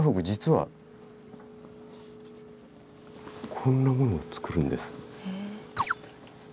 こんなものを作るんです。